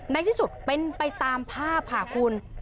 ในที่สุดเป็นไปตามภาพค่ะคุณ